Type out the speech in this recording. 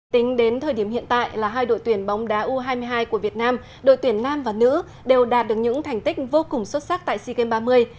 tính đến thời điểm hiện tại là hai đội tuyển bóng đá u hai mươi hai của việt nam đội tuyển nam và nữ đều đạt được những thành tích vô cùng xuất sắc tại sea games ba mươi